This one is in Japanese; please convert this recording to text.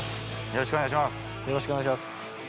よろしくお願いします。